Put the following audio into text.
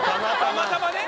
たまたまね。